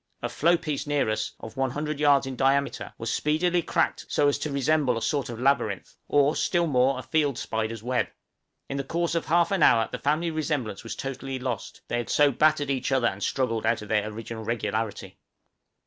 A floe piece near us, of 100 yards in diameter, was speedily cracked so as to resemble a sort of labyrinth, or, still more, a field spider's web. In the course of half an hour the family resemblance was totally lost; they had so battered each other, and struggled out of their original regularity.